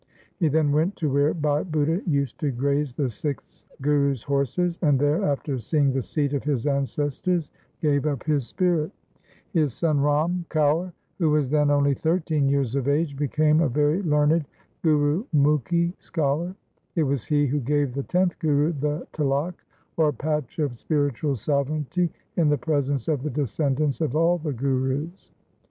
He then went to where Bhai Budha used to graze the sixth Guru's horses, and there after seeing the seat of his ancestors gave up his spirit. His son Ram LIFE OF GURU TEG BAHADUR 391 Kaur, who was then only thirteen years of age, became a very learned Gurumukhi scholar. It was he who gave the tenth Guru the tilak, or patch of spiritual sovereignty, in the presence of the descendants of all the Gurus.